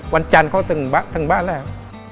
วันจันทร์เขาถึงบ้าน